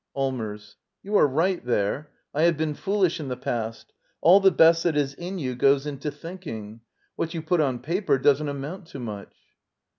Allmers. You are right there. I have been foolish in the past. All the best that is in you goes into thinking. What you put on paper doesn't amount to much.